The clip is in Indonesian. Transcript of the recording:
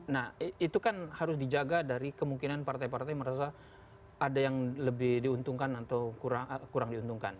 nah itu kan harus dijaga dari kemungkinan partai partai merasa ada yang lebih diuntungkan atau kurang diuntungkan